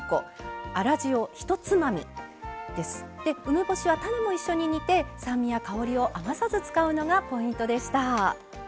梅干しは種も一緒に煮て酸味や香りを余さず使うのがポイントでした。